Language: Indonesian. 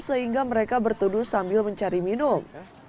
sehingga mereka bertuduh sambil mencari minum